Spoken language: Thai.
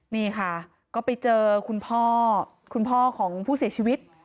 นี่ค่ะก็ไปเจอคุณพ่อคุณพ่อของผู้เสียชีวิต